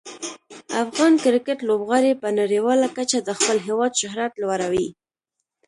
افغان کرکټ لوبغاړي په نړیواله کچه د خپل هیواد شهرت لوړوي.